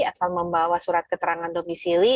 asal membawa surat keterangan domisili